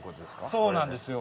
そうなんですよ。